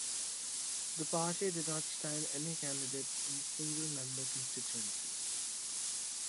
The party did not stand any candidates in the single-member constituencies.